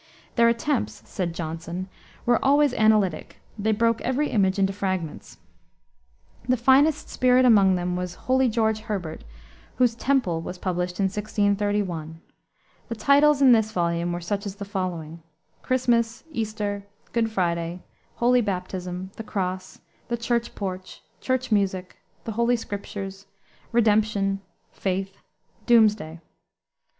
"Their attempts," said Johnson, "were always analytic: they broke every image into fragments." The finest spirit among them was "holy George Herbert," whose Temple was published in 1631. The titles in this volume were such as the following: Christmas, Easter, Good Friday, Holy Baptism, The Cross, The Church Porch, Church Music, The Holy Scriptures, Redemption, Faith, Doomsday.